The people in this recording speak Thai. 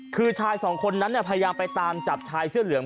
คือชายสองคนนั้นพยายามไปตามจับชายเสื้อเหลือง